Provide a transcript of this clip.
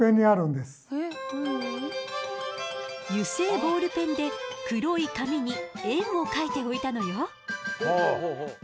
油性ボールペンで黒い紙に円を描いておいたのよ。